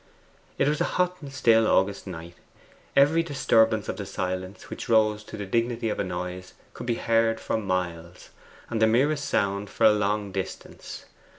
It was a hot and still August night. Every disturbance of the silence which rose to the dignity of a noise could be heard for miles, and the merest sound for a long distance.